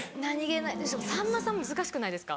さんまさん難しくないですか？